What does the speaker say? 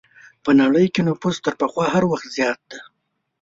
په نړۍ کې نفوس تر پخوا هر وخت زیات دی.